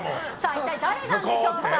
一体誰なんでしょうか。